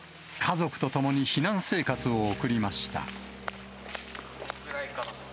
家族と共に避難生活を送りました。